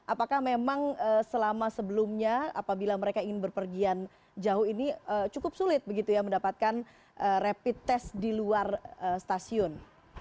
apakah memang selama sebelumnya apabila mereka ingin berpergian jauh ini cukup sulit begitu ya mendapatkan rapid test di luar stasiun